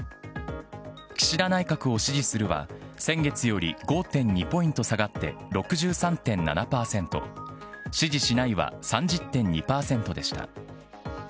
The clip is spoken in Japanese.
岸田内閣を支持するは、先月より５．２ポイント下がって６３．７％、支持しないは３０．２％でした。